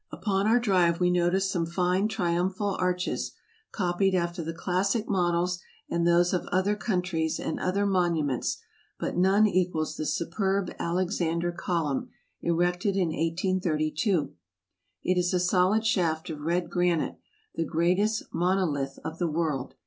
Upon our drive we notice some fine triumphal arches — copied after the classic models and those of other countries — and other monuments, but none equals the superb Alex ander column, erected in 1832. It is a solid shaft of red granite, the greatest monolith of the world.